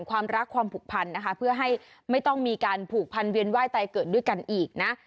ความรักความผูกพันนะคะเพื่อให้ไม่ต้องมีการผูกพันเวียนไห้ไตเกิดด้วยกันอีกนะ